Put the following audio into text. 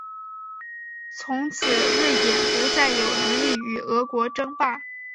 从此瑞典不再有能力与俄国争霸。